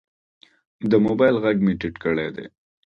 د موبایل غږ مې ټیټ کړی دی.